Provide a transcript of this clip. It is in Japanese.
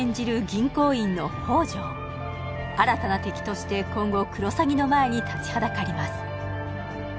銀行員の宝条新たな敵として今後クロサギの前に立ちはだかります